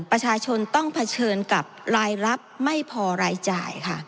ประชาชนต้องเผชิญกับรายรับไม่พอรายจ่ายค่ะ